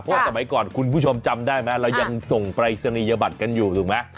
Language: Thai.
สมัยก่อนคุณผู้ชมจำได้มั้ยเรายังส่งปลายศะนียบัตรกันอยู่